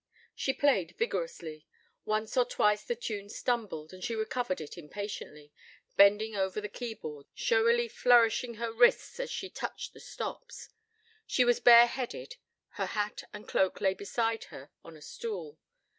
She played vigorously. Once or twice the tune stumbled, and she recovered it impatiently, bending over the key board, showily flourishing her wrists as she touched the stops. She was bare headed (her hat and cloak lay beside her on a stool).